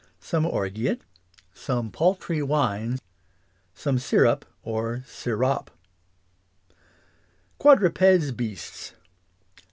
Some orgeat | Some paltry wine Some sirup or sirop Quadruped's beasts.